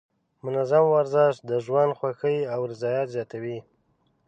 منظم ورزش د ژوند خوښۍ او رضایت زیاتوي.